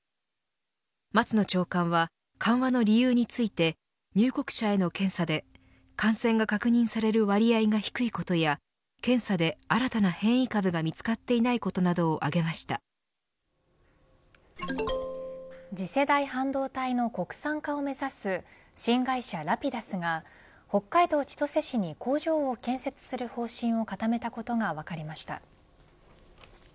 松野長官は緩和の理由について入国者への検査で感染が確認される割合が低いことや検査で新たな変異株が見つかっていないことなどを次世代半導体の国産化を目指す新会社ラピダスが北海道千歳市に工場を建設する方針を固めたことが分かりました。